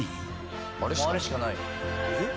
あれしかないよ